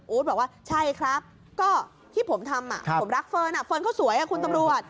บอกว่าใช่ครับก็ที่ผมทำผมรักเฟิร์นเฟิร์นเขาสวยคุณตำรวจ